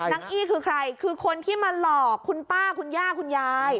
อี้คือใครคือคนที่มาหลอกคุณป้าคุณย่าคุณยาย